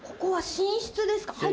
寝室です